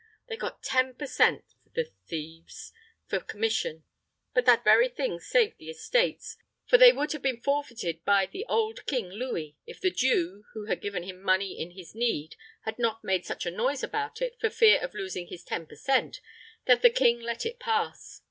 They cot ten per cent. the thieves! for commission, but that very thing saved the estates; for they would have been forfeited by the old king Louis, if the Jew, who had given him money in his need, had not made such a noise about it, for fear of losing his ten per cent, that the king let it pass.